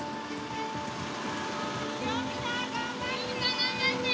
頑張ってー！